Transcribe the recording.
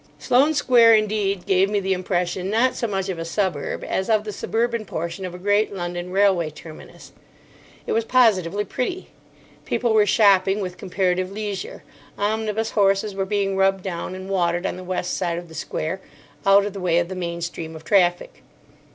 Sloane Square, indeed, gave me the impression, not so much of a suburb as of the suburban portion of a great London railway terminus. It was positively pretty. People were shopping with comparative leisure, omnibus horses were being rubbed down and watered on the west side of the Square, out of the way of the main stream of traffic.